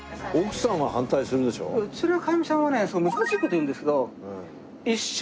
うちのかみさんはね難しい事を言うんですけど。